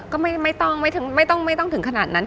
ก็ไม่ต้องไม่ต้องถึงขนาดนั้น